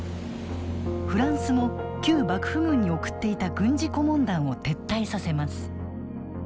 フランスも旧幕府軍に送っていた軍事顧問団を撤退させます。